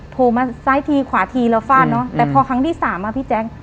โผล่มาซ้ายทีขวาทีเราฟาดเนอะแต่พอครั้งที่สามอ่ะพี่แจ๊ค